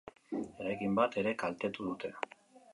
Eraikin bat ere kaltetu dute.